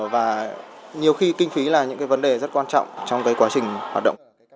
và nhiều khi kinh phí là những vấn đề rất quan trọng trong quá trình hoạt động